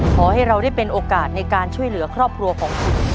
ขอให้เราได้เป็นโอกาสในการช่วยเหลือครอบครัวของคุณ